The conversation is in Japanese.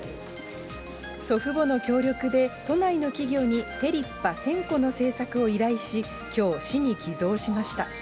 祖父母の協力で、都内の企業にテリッパ１０００個の製作を依頼し、きょう、市に寄贈しました。